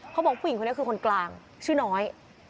ผู้หญิงคนนี้คือคนกลางชื่อน้อย